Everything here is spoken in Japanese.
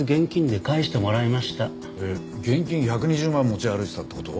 えっ現金１２０万持ち歩いてたって事？